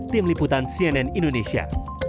tim liputan cnn indonesia